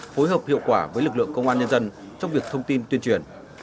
phối hợp hiệu quả với lực lượng công an nhân dân trong việc thông tin tuyên truyền